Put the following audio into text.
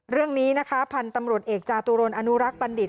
เรื่องนี้นะคะพันธุ์ตำรวจเอกจาตุรนอนุรักษ์บัณฑิต